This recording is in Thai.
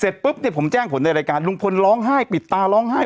ปุ๊บเนี่ยผมแจ้งผลในรายการลุงพลร้องไห้ปิดตาร้องไห้